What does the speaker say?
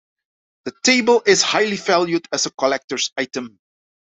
The table is highly valued as a collector's item.